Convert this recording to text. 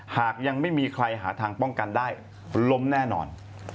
หากยังไม่มีใครหาทางป้องกันได้ล้มแน่นอน